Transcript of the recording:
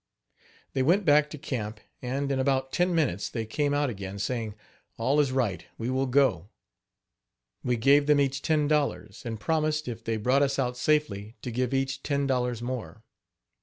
" They went back to camp; and, in about ten minutes they came out again saying: "All is right; we will go." We gave them each ten dollars; and promised, if they brought us out safely, to give each ten dollars more.